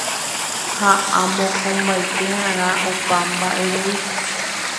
ha amokõmbaite'arã opa mba'erei.